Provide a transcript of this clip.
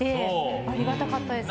ありがたかったですね。